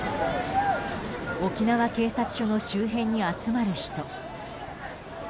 沖縄警察署の周辺に集まる人。